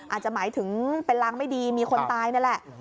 อาจจะหมายถึงเป็นรางไม่ดีมีคนตายนั่นแหละ